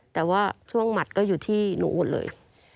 แต่ว่าช่วงหมัดก็อยู่ที่หนูหมดเลย